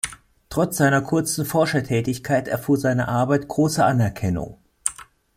Trotz seiner kurzen Forschertätigkeit erfuhr seine Arbeit große Anerkennung.